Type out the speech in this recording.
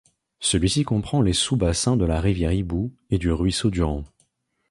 Celui-ci comprend les sous-bassins de la rivière Hibou et du ruisseau Durand.